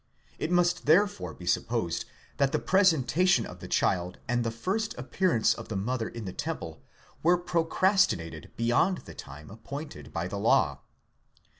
It must therefore be supposed that the presentation of the child, and the first appearance of the mother in the temple, were procrastinated beyond the time appointed by the law.